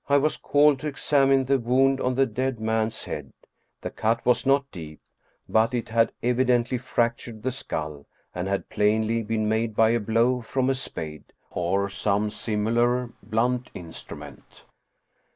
I was called to examine the wound on the dead man's head. The cut was not deep, but it had evidently fractured the skull, and had plainly been made by a blow from a spade or some similar blunt instrument.